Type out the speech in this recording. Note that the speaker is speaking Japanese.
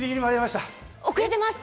遅れてます。